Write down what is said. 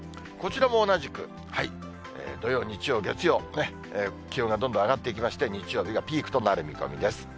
こちらも同じく、土曜、日曜、月曜、ここで気温がどんどん上がっていきまして、日曜日がピークとなる見込みです。